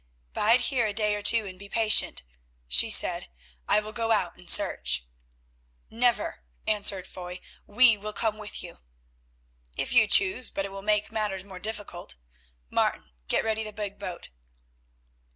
"Bide here a day or two and be patient," she said; "I will go out and search." "Never," answered Foy, "we will come with you." "If you choose, but it will make matters more difficult. Martin, get ready the big boat."